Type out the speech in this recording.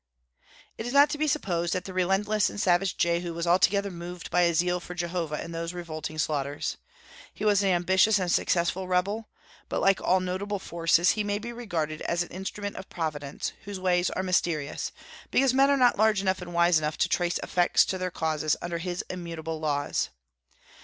It is not to be supposed that the relentless and savage Jehu was altogether moved by a zeal for Jehovah in these revolting slaughters. He was an ambitious and successful rebel; but like all notable forces, he may be regarded as an instrument of Providence, whose ways are "mysterious," because men are not large enough and wise enough to trace effects to their causes under His immutable laws.